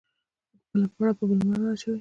خپله پړه په بل مه ور اچوه